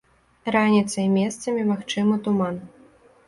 Раніцай месцамі магчымы туман.